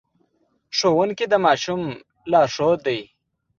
ښوونکي د ماشوم لارښود دي.